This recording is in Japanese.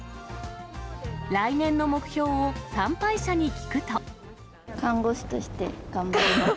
来年の目標を、看護師として頑張ります。